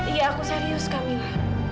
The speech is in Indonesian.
iya aku serius kamila